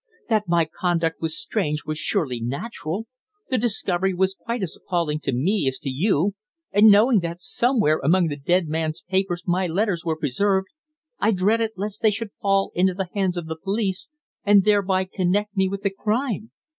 "That my conduct was strange was surely natural. The discovery was quite as appalling to me as to you; and, knowing that somewhere among the dead man's papers my letters were preserved, I dreaded lest they should fall into the hands of the police and thereby connect me with the crime.